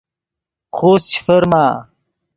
خوست چے فرما